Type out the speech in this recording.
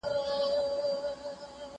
هغه وويل چي کتابتون ارام ځای دی؟!